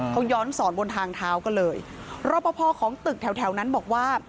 เขาย้อนสอนบนทางเท้าก็เลยรอปภของตึกแถวแถวนั้นบอกว่า